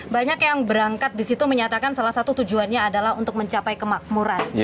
banyak yang berangkat disitu menyatakan salah satu tujuannya adalah untuk mencapai kemakmuran